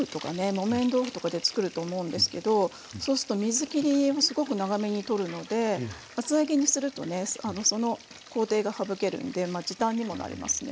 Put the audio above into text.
木綿豆腐とかでつくると思うんですけどそうすると水切りをすごく長めに取るので厚揚げにするとねその工程が省けるんでまあ時短にもなりますね。